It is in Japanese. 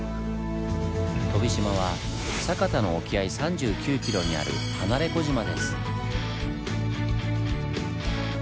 飛島は酒田の沖合３９ｋｍにある離れ小島です。